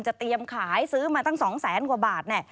จะเตรียมขายซื้อมาตั้ง๒๐๐๐๐๐กว่าบาท